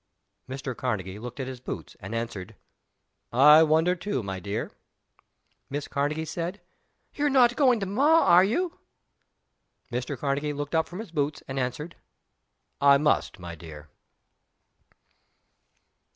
Mr. Karnegie looked at his boots, and answered, "I wonder, too, my dear." Miss Karnegie said, "You're not going to Ma, are you?" Mr. Karnegie looked up from his boots, and answered, "I must, my dear."